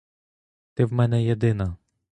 Ти в мене єдина.